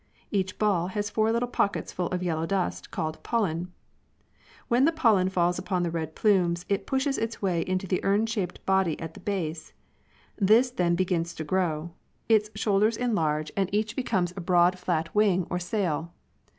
Each ball has four little pockets full of yellow dust, called pollen (Fig. 2). When the pollen falls upon the red plumes, it pushes its way into the urn shaped body at the base. This then begins to grow; its shoulders enlarge and 97 each becomes a broad flat wing or sail.